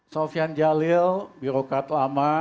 sofyan jalil birokrat lama